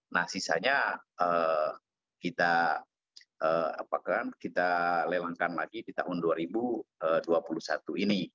nah sisanya kita lelangkan lagi di tahun dua ribu dua puluh satu ini